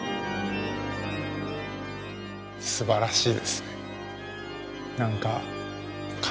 すばらしいですね。